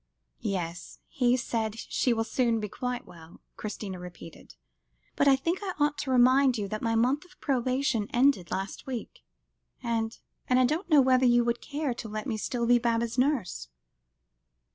"Yes, he says she will soon be quite well," Christina repeated; "but I think I ought to remind you, that my month of probation ended last week; and and I don't know whether you would care to let me still be Baba's nurse."